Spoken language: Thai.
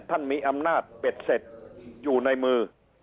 ท่านมีอำนาจเบ็ดเสร็จอยู่ในมือ